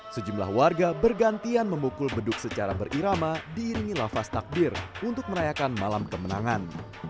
sejumlah warga bergantian memukul beduk secara berirama diiringi lafaz takbir untuk merayakan malam kemenangan